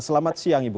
selamat siang ibu